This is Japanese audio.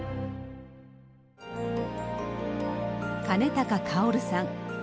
兼高かおるさん。